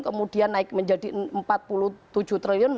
kemudian naik menjadi rp empat puluh tujuh triliun